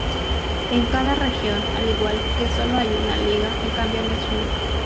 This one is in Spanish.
En cada región, al igual, que solo hay una liga, el campeón es único.